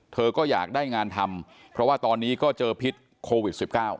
เธอก็อยากได้งานทำเพราะว่าตอนนี้ก็เจอพิษโควิด๑๙